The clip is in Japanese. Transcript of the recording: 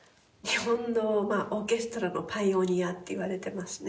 日本のオーケストラのパイオニアっていわれてますね。